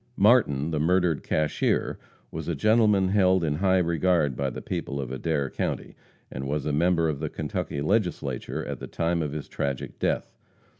Martin, the murdered cashier, was a gentleman held in high regard by the people of Adair county, and was a member of the Kentucky Legislature at the time of his tragic death.